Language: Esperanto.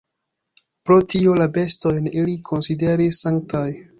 Pro tio, la bestojn ili konsideris sanktaj.